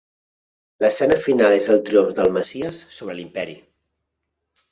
L'escena final és el triomf del messies sobre l'imperi.